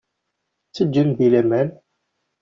Ttgen deg-i laman.